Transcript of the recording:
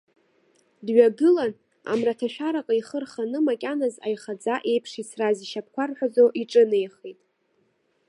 Дҩагылан, амраҭашәараҟа ихы рханы, макьаназ аихаӡа еиԥш ицраз ишьапқәа рҳәазо иҿынеихеит.